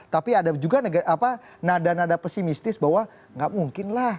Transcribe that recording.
tapi ada juga nada nada pesimistis bahwa nggak mungkin lah